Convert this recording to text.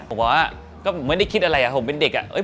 ผมบอกว่าก็ไม่ได้คิดอะไรผมเป็นเด็ก